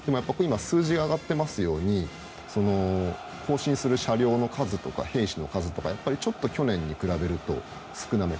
数字が上がっていますように行進する車両の数とか兵士の数とかちょっと去年に比べると少なめ。